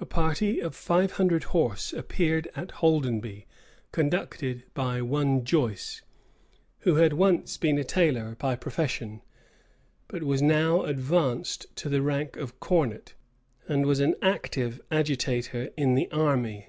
A party of five hundred horse appeared at Holdenby, conducted by one Joyce, who had once been a tailor by profession, but was now advanced to the rank of cornet, and was an active agitator in the army.